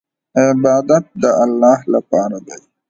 عبادت د الله لپاره دی.